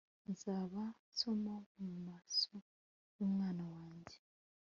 nzaba nsoma mu maso h'umwana wanjye